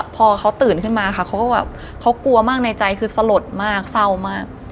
พอเขาตื่นขึ้นมาค่ะเขากลัวมากในใจคือสะหรดมากเศร้ามาก